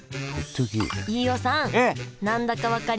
飯尾さん何だか分かりますか？